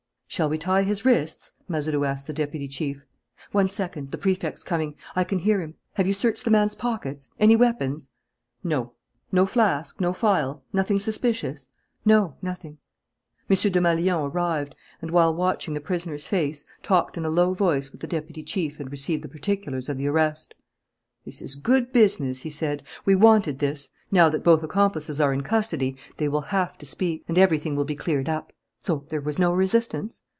"Shall we tie his wrists?" Mazeroux asked the deputy chief. "One second. The Prefect's coming; I can hear him. Have you searched the man's pockets? Any weapons?" "No." "No flask, no phial? Nothing suspicious?" "No, nothing." M. Desmalions arrived and, while watching the prisoner's face, talked in a low voice with the deputy chief and received the particulars of the arrest. "This is good business," he said. "We wanted this. Now that both accomplices are in custody, they will have to speak; and everything will be cleared up. So there was no resistance?"